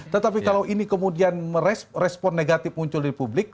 tetapi kalau ini kemudian respon negatif muncul di publik